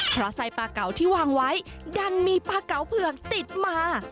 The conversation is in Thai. เพราะไส้ปลาเก่าที่วางไว้ดันมีปลาเก๋าเผือกติดมา